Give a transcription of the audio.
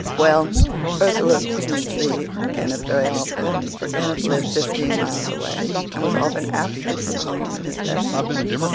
Well, Ursula couldn't see Kenneth very often, for Kenneth lived fifteen miles away and was often absent from home in his vessel.